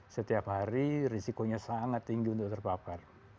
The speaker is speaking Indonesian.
setiap hari risikonya sangat tinggi untuk terpapar